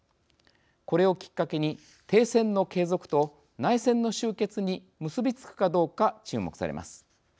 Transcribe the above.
これをきっかけに停戦の継続と内戦の終結に結び付くかどうか注目されます。